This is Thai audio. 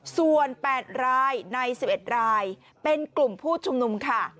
ส่วน๘รายใน๑๑รายเป็นกลุ่มผู้ชุมนุมค่ะ